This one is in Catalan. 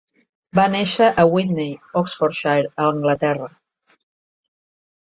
Va néixer a Witney, Oxfordshire, a Anglaterra.